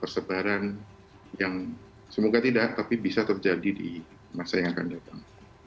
persebaran yang semoga tidak tapi bisa terjadi di masa yang akan datang